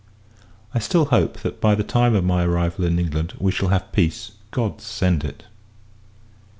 I still hope that, by the time of my arrival in England, we shall have peace. God send it!